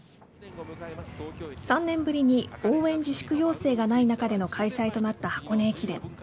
３年ぶりに応援自粛要請がない中での開催となった箱根駅伝。